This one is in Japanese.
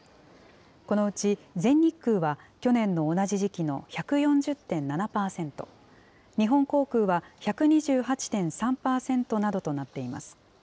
このうち全日空は、去年の同じ時期の１４０．７％、日本航空は１２８．３％などとなっています。